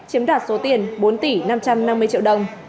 chiếm đoạt số tiền bốn tỷ năm trăm năm mươi triệu đồng